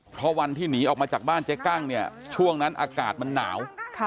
เพราะวันที่หนีออกมาจากบ้านเจ๊กั้งเนี่ยช่วงนั้นอากาศมันหนาว